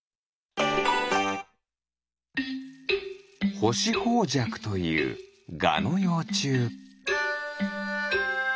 ホシホウジャクというガのようちゅう。